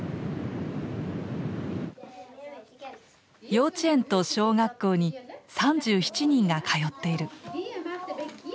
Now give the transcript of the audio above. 幼稚園と小学校に３７人が通ってる。